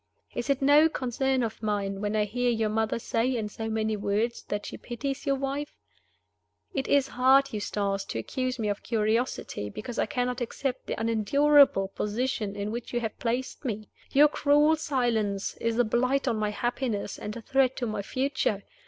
Is it no concern of mine when I hear your mother say, in so many words, that she pities your wife? It is hard, Eustace, to accuse me of curiosity because I cannot accept the unendurable position in which you have placed me. Your cruel silence is a blight on my happiness and a threat to my future.